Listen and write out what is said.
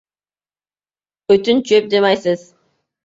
— O‘tin-cho‘p demaysiz.